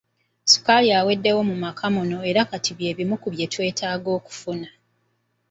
Ssukaali aweddewo mu maka muno era kati by'ebimu ku bye twetaaga okufuna.